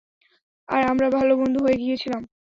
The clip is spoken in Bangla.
আর আমরা ভালো বন্ধু হয়ে গিয়েছিলাম।